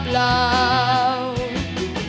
เพราะตัวฉันเพียงไม่อาทัม